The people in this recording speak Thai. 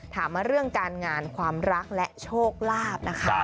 ถามมาเรื่องการงานความรักและโชคลาภนะคะ